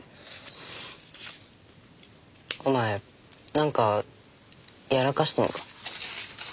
お前なんかやらかしたのか？